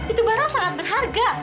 itu barang sangat berharga